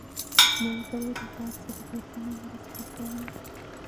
ملګری له تا سره بې تمې مرسته کوي